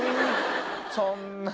そんな。